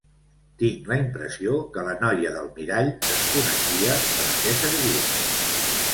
Tinc la impressió que la noia del mirall desconeixia per a què servia.